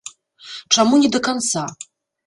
Чаму не да канца?